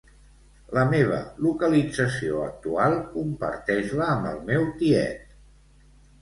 La meva localització actual, comparteix-la amb el meu tiet.